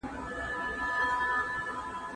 د طبیعي او ټولنیزو علومو ترمنځ کوم توپیرونه شتون لري؟